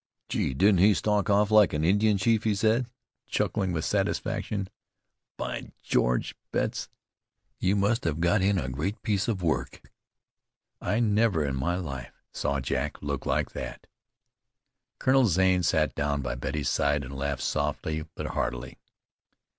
"Gee! Didn't he stalk off like an Indian chief!" he said, chuckling with satisfaction. "By George! Betts, you must have got in a great piece of work. I never in my life saw Jack look like that." Colonel Zane sat down by Betty's side and laughed softly but heartily.